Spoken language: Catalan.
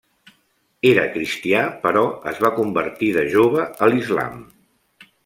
Era cristià però es va convertir de jove a l'islam.